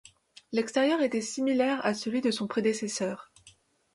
L'extérieur était similaire à celui de son prédécesseur.